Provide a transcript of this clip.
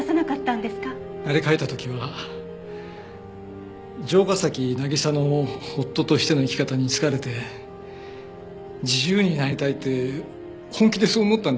あれ書いた時は城ヶ崎渚の夫としての生き方に疲れて自由になりたいって本気でそう思ったんですよ。